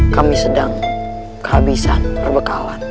kami sedang kehabisan perbekalan